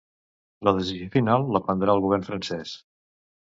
La decisió final la prendrà el govern francès.